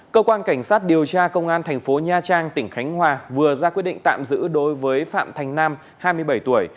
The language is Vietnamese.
cơ quan cảnh sát điều tra công an thành phố nha trang tỉnh khánh hòa vừa ra quyết định tạm giữ đối với phạm thành nam hai mươi bảy tuổi